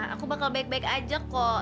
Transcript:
aku bakal baik baik aja kok